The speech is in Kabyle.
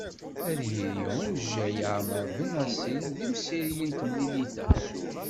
Ad yili umejjay Ɛmar Benassil d imsireg n temlilit-a.